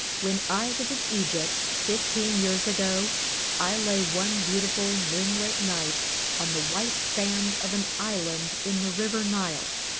When I was in Egypt, fifteen years ago, I lay one beautiful moonlight night on the white sand of an island in the river Nile.